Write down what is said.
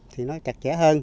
thì nó chặt chẽ hơn